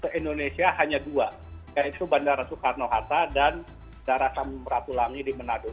ke indonesia hanya dua yaitu bandara soekarno hatta dan darasamratulangi di manado